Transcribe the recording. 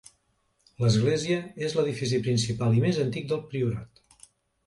L'església és l'edifici principal i més antic del priorat.